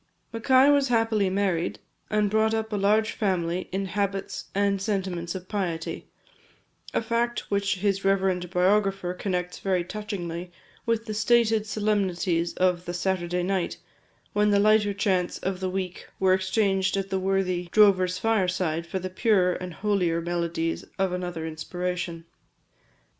Mackay was happily married, and brought up a large family in habits and sentiments of piety; a fact which his reverend biographer connects very touchingly with the stated solemnities of the "Saturday night," when the lighter chants of the week were exchanged at the worthy drover's fireside for the purer and holier melodies of another inspiration.